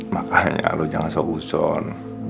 makanya lo jangan sehuson